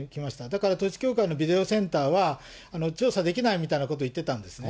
だから統一教会のビデオセンターは調査できないみたいなことを言ってたんですね。